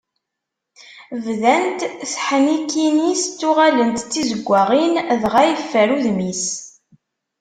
Bdant teḥnikin-is ttuɣalent d tizeggaɣin, dɣa yeffer udem-is.